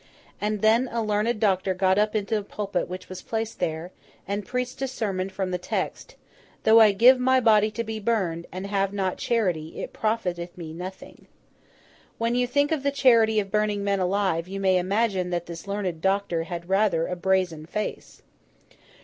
And then a learned doctor got up into a pulpit which was placed there, and preached a sermon from the text, 'Though I give my body to be burned, and have not charity, it profiteth me nothing.' When you think of the charity of burning men alive, you may imagine that this learned doctor had a rather brazen face.